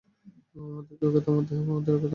আমাদের ওকে থামাতে হবে, আমাদের ওকে থামাতেই হবে।